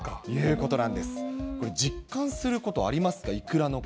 これ、実感することありますか？